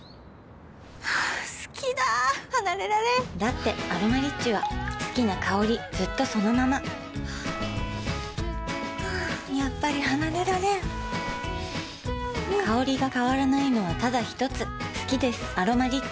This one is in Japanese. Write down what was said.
好きだ離れられんだって「アロマリッチ」は好きな香りずっとそのままやっぱり離れられん香りが変わらないのはただひとつ好きです「アロマリッチ」